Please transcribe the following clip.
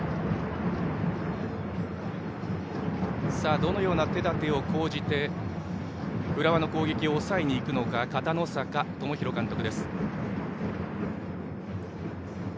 どのような手立てを講じて浦和の攻撃を抑えにいくのか大分、片野坂知宏監督。